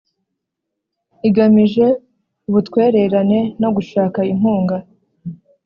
igamije ubutwererane no gushaka inkunga.